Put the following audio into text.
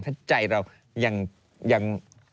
ถ้าใจเรายัง